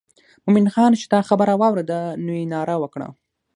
مومن خان چې دا خبره واورېده نو یې ناره وکړه.